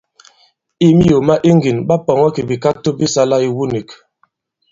I miyò ma iŋgìn, ɓa pɔ̀ŋɔ kì bìkakto bi sālā iwu nīk.